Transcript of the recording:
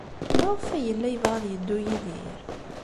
Maɣef ay yella yebɣa ad yeddu Yidir?